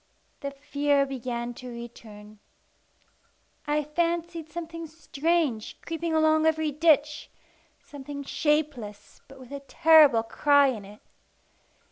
The fear began to return. I fancied something strange creeping along every ditch something shapeless, but with a terrible cry in it.